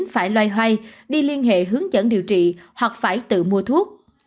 phải loay hoay đi liên hệ hướng dẫn điều trị hoặc phải tự mua thuốc